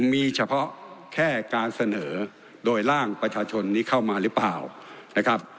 มีเฉพาะแค่การเสนอโดยร่างประชาชนนี้เข้ามาหรือเปล่านะครับ